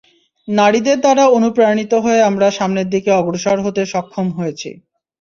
নারীদের দ্বারা অনুপ্রাণিত হয়ে আমরা সামনের দিকে অগ্রসর হতে সক্ষম হয়েছি।